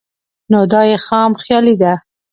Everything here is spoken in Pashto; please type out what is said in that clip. نو دا ئې خام خيالي ده